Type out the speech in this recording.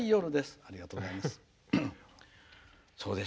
ありがとうございます。